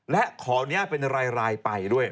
และขออนุญาตเป็นรายไปด้วย